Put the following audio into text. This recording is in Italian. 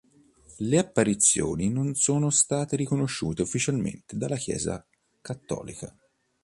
Le apparizioni non sono state riconosciute ufficialmente dalla Chiesa cattolica.